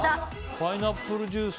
パイナップルジュース？